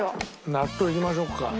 納豆いきましょうか。